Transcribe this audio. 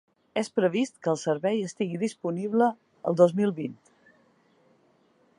És previst que el servei estigui disponible el dos mil vint.